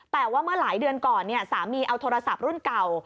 แต่ว่าเมื่อหลายเดือนก่อนสามีเอาโทรศัพท์รุ่นเก่า